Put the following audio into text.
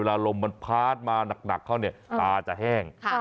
เวลาลมมันพัดมาหนักเข้าตาจะแห้ง